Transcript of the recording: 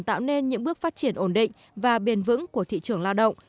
tạo nên những bước phát triển ổn định và bền vững của thị trường lao động